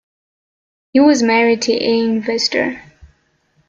He was married to Anne Vester.